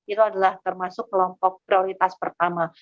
itu adalah termasuk kelompok prioritas pertama